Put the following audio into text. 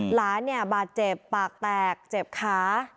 หลานเนี่ยบาดเจ็บปากแตกเจ็บขา